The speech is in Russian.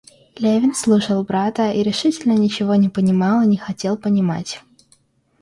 Левин слушал брата и решительно ничего не понимал и не хотел понимать.